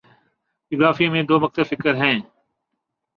جغرافیہ میں دو مکتب فکر ہیں